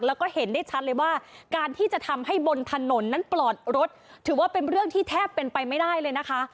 แล้วก็เห็นได้ชัดเลยว่าการที่จะทำให้บนถนนนั้นปลอดรถถือว่าเป็นเรื่องที่แทบเป็นไปไม่ได้เลยนะคะ